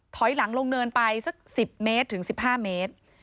ถอยหลังลงเนินไปสัก๑๐เมตรถึง๑๕เมตร